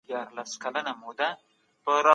لمونځ د دين ستن ده او بايد قايم سي.